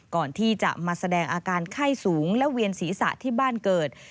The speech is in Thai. ก่อนที่จะมาแสดงอาการไข้สูงและเวียนศีรษะที่บ้านเกิด